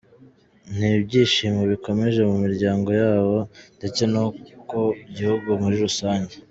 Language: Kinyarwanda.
Ni ibyishimo bikomeje mu miryango yabo ndetse no ku gihugu muri rusange".